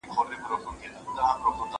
دې چي ول بالا به چای تيار وي باره اوبه نه وې